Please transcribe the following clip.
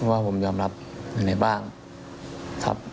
ว่าผมยอมรับยังไงบ้างครับ